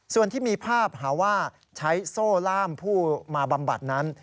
ส่วนที่มีภาพหาว่าใช้โซ่ล่ามผู้มาบำบัดนั้น